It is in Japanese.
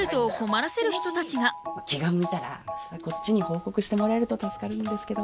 気が向いたらこっちに報告してもらえると助かるんですけど。